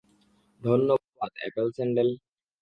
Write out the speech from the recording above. ধন্যবাদ, apple sandal.